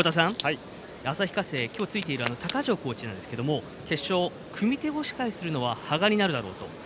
旭化成、今日ついているコーチですが決勝、組み手を制すのは羽賀になるだろうと。